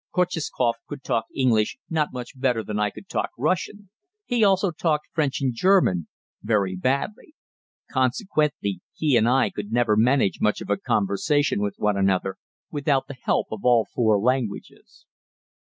Kotcheskoff could talk English not much better than I could talk Russian; he also talked French and German very badly; consequently he and I could never manage much of a conservation with one another without the help of all four languages.